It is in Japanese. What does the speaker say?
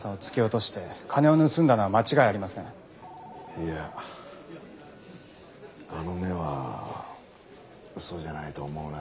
いやあの目は嘘じゃないと思うな。